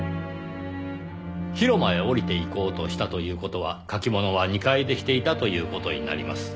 「広間へ降りて行こうとした」という事は書き物は２階でしていたという事になります。